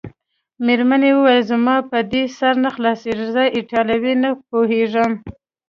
مېرمنې وویل: زما په دې سر نه خلاصیږي، زه ایټالوي نه پوهېږم.